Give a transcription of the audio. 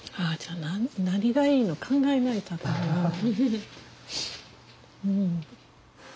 じゃあ何がいいの考えないとあかんな。